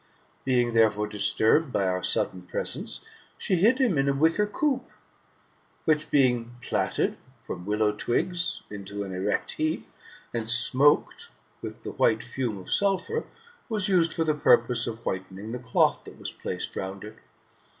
Being, therefore, disturbed by our sudden presence, she hid him in a wicker coop» which being plaited from willow twigs into an erect heap, and smoked with the white fume of sulphur, was used for the purpose of whitening the doth that was placed round it.